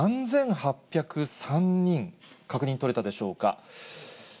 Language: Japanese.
３８０３人、確認取れたでしょうか。